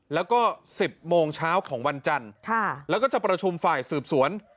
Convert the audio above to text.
แล้วก็๑๐โมงเช้าของวันจันทร์แล้วก็จะประชุมฝ่ายสืบสวน